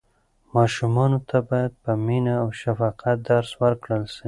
ماشومانو ته باید په مینه او شفقت درس ورکړل سي.